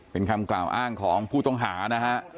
เป็นคำกล่าวอ้างของผู้ต้องหานะฮะ